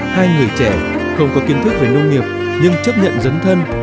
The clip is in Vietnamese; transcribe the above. hai người trẻ không có kiến thức về nông nghiệp nhưng chấp nhận dẫn thân